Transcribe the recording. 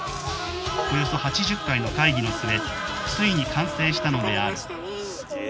およそ８０回の会議の末ついに完成したのであるかかりましたねえ。